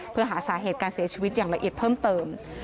เพื่อหาสาเหตุการเสียชีวิตอย่างละเอียดเพิ่มเติม